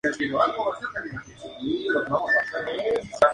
Es uno de los mayores ídolos de la historia de Independiente.